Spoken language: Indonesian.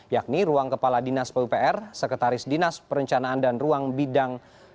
yakni ruang kepala dinas pupr sekretaris dinas perencanaan dan ruang bidang